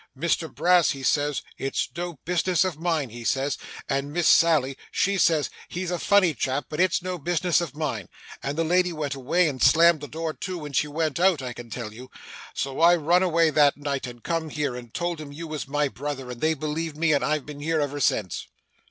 Mr Brass, he says, "It's no business of mine," he says; and Miss Sally, she says, "He's a funny chap, but it's no business of mine;" and the lady went away, and slammed the door to, when she went out, I can tell you. So I run away that night, and come here, and told 'em you was my brother, and they believed me, and I've been here ever since.